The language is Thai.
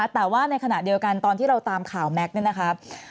แต่ว่าในขณะเดียวกันตอนที่เราตามข่าวแม็กซ์เนี่ยนะครับ